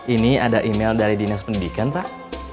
ini ada email dari dinas pendidikan pak